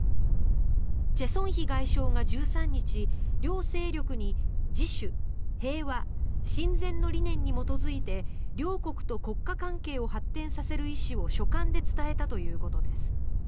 チェ・ソンヒ外相が１３日両勢力に自主、平和、親善の理念に基づいて両国と国家関係を発展させる意思を書簡で伝えたということです。